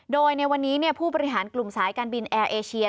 โดยในวันนี้ผู้บริหารกลุ่มสายการบินแอร์เอเชีย